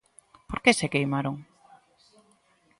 Por que se queimaron?